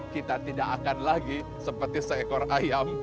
kita tidak akan lagi seperti seekor ayam